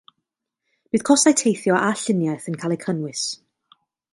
Bydd costau teithio a lluniaeth yn cael eu cynnwys